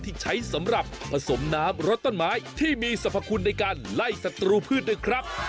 ที่ใช้สำหรับผสมน้ำรสต้นไม้ที่มีสรรพคุณในการไล่สัตรูพืชด้วยครับ